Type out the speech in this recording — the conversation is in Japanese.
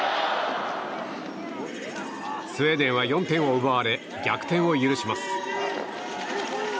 スウェーデンは４点を奪われ逆転を許します。